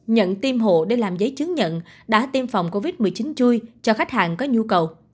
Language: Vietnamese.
nhận tiêm hộ để làm giấy chứng nhận đã tiêm phòng covid một mươi chín chui cho khách hàng có nhu cầu